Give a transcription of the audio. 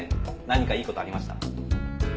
何かいい事ありました？